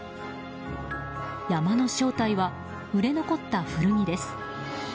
山の正体は売れ残った古着です。